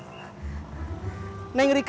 halo assalamu'alaikum neng rika